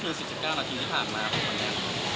ตอนที่คือ๑๙นาทีที่ผ่านมาของคนนี้